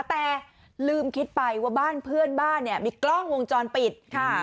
แต่ลืมคิดไปว่าบ้านเพื่อนบ้านเนี่ยมีกล้องวงจรปิดค่ะ